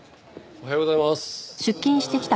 おはようございます。